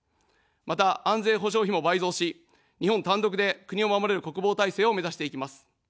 また、安全保障費も倍増し、日本単独で国を守れる国防体制を目指していきます。